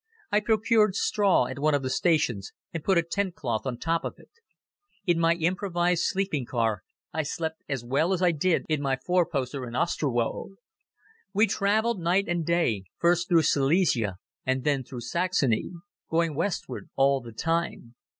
I procured straw at one of the stations and put a tent cloth on top of it. In my improvised sleeping car I slept as well as I did in my four poster in Ostrowo. We traveled night and day, first through Silesia, and then through Saxony, going westward all the time.